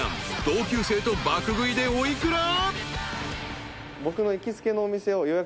同級生と爆食いでお幾ら？］